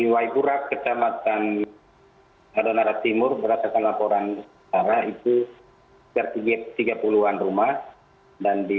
waiwerang kecamatan adonara timur berasakan laporan arah itu setiap tiga puluhan rumah dan di